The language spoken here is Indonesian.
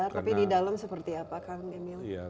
tapi di dalam seperti apa kang emil